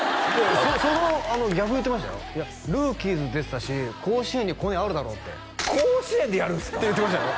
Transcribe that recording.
その逆を言ってましたよ「ＲＯＯＫＩＥＳ」出てたし甲子園にコネあるだろって甲子園でやるんですか！？って言ってましたよ